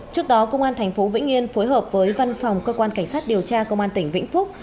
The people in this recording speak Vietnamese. trước đó công an tp vĩnh yên phối hợp với văn phòng cơ quan cảnh sát điều tra công an tỉnh vĩnh phúc